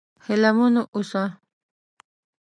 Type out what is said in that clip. هيله من و اوسه!